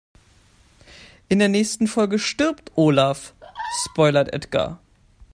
In der nächsten Folge stirbt Olaf, spoilert Edgar.